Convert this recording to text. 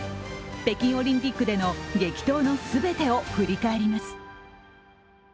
北京オリンピックでの激闘の全てを振り返ります。